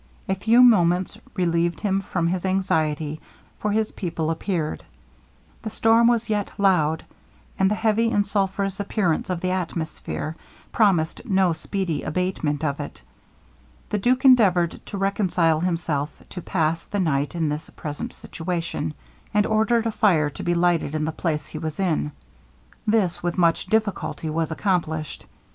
A few moments relieved him from his anxiety, for his people appeared. The storm was yet loud, and the heavy and sulphureous appearance of the atmosphere promised no speedy abatement of it. The duke endeavoured to reconcile himself to pass the night in his present situation, and ordered a fire to be lighted in the place he was in. This with much difficulty was accomplished.